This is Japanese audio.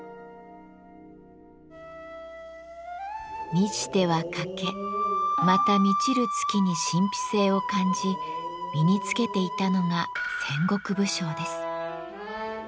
満ちては欠けまた満ちる月に神秘性を感じ身につけていたのが戦国武将です。